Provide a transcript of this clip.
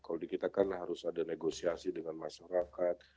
kalau di kita kan harus ada negosiasi dengan masyarakat